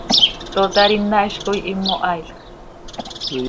¡Tootar ina hizcoi himo haailx!